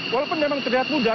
walaupun memang terlihat mudah